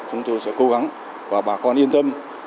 chúng tôi sẽ cố gắng và bà con yên tâm